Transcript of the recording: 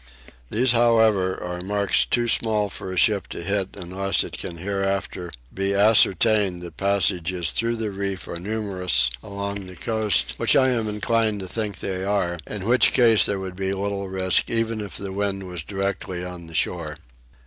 These however are marks too small for a ship to hit unless it can hereafter be ascertained that passages through the reef are numerous along the coast which I am inclined to think they are, in which case there would be little risk even if the wind was directly on the shore.